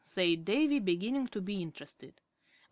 said Davy, beginning to be interested.